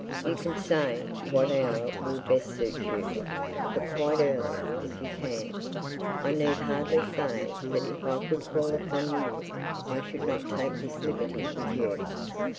You can say what hour will best suit you; but quite early, if you can. I need hardly say that if I could call upon you I should not take this liberty with you.